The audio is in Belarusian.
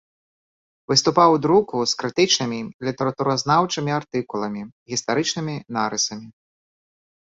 Выступаў у друку з крытычнымі і літаратуразнаўчымі артыкуламі, гістарычнымі нарысамі.